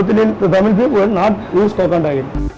tapi orang tengah ini tidak menggunakan air kokona